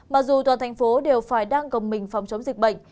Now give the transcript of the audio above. mặc dù toàn thành phố đều phải đang gồng mình phòng chống dịch bệnh